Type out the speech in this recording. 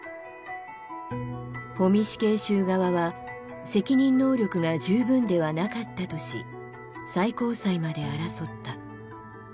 保見死刑囚側は責任能力が十分ではなかったとし最高裁まで争った。